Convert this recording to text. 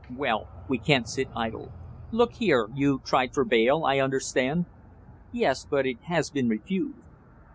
"Well, we can't sit idle! Look here, you tried for bail, I understand?" "Yes, but it has been refused."